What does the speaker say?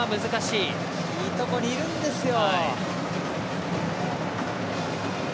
いいとこにいるんですよ。